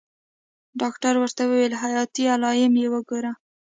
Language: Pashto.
ډاکتر ورته وويل حياتي علايم يې وګوره.